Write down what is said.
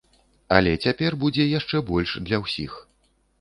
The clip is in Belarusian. Але цяпер будзе яшчэ больш для ўсіх.